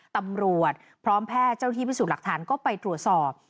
ตำรวจพร้อมแพทย์เจ้าที่พิสูจน์หลักฐานก็ไปตรวจสอบ